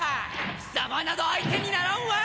貴様など相手にならんわー！